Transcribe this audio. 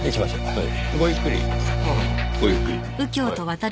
はい。